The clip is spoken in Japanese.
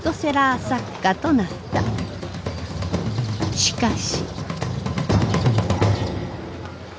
しかし。